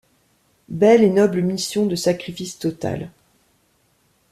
Belle et noble mission, de sacrifice total.